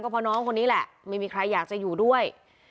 เพราะน้องคนนี้แหละไม่มีใครอยากจะอยู่ด้วย